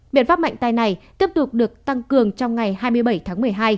biện pháp mạnh tay này tiếp tục được tăng cường trong ngày hai mươi bảy tháng một mươi hai